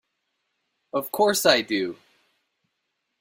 Of course I do!